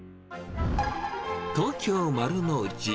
東京・丸の内。